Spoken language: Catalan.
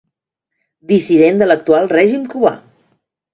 Dissident de l'actual règim cubà.